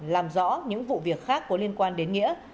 làm rõ những vụ việc khác có liên quan đến nghĩa